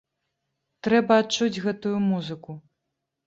Трэба адчуць гэтую музыку!